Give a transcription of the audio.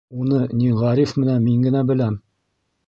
Уны, ни, Ғариф менән мин генә беләм.